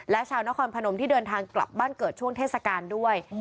และชาวนครพนมที่เดินทางกลับบ้านเกิดช่วงเทศกาลด้วย